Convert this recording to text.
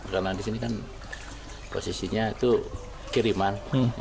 karena di sini kan posisinya itu kiriman